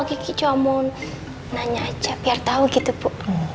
kiki cuma mau nanya aja biar tau gitu bu